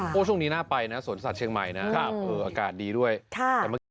ช่วงนี้น่าไปนะสวนสัตว์เชียงใหม่นะครับอากาศดีด้วยแต่เมื่อกี้